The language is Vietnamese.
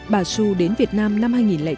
bà xu đến việt nam năm hai nghìn chín